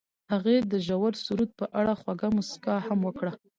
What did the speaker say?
هغې د ژور سرود په اړه خوږه موسکا هم وکړه.